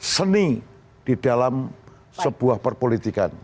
seni di dalam sebuah perpolitikan